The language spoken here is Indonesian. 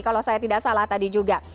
kalau saya tidak salah tadi juga